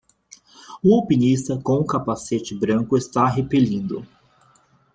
Um alpinista com um capacete branco está repelindo.